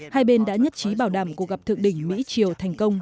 hai bên đã nhất trí bảo đảm cuộc gặp thượng đỉnh mỹ triều thành công